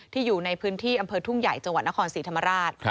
อยู่ในพื้นที่อำเภอทุ่งใหญ่จังหวัดนครศรีธรรมราช